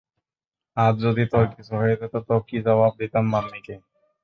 আজ যদি তোর কিছু হয়ে যেত, তো কি জবাব দিতাম মাম্মি কে?